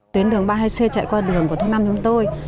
tuyến đường ba mươi hai c chạy qua đường của thôn năm chúng tôi